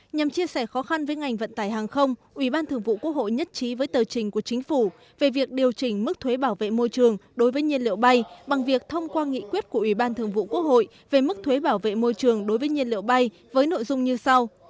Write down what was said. nhằm chia sẻ khó khăn với ngành vận tải hàng không ủy ban thường vụ quốc hội nhất trí với tờ trình của chính phủ về việc điều chỉnh mức thuế bảo vệ môi trường đối với nhiên liệu bay bằng việc thông qua nghị quyết của ủy ban thường vụ quốc hội về mức thuế bảo vệ môi trường đối với nhiên liệu bay với nội dung như sau